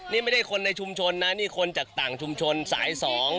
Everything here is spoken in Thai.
นี่ไม่ได้คนในชุมชนนะนี่คนจากต่างชุมชนสาย๒